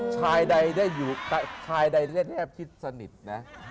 ชายใดได้แนบคิดสนิทนะ